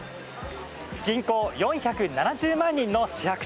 人口４７０万人のシハク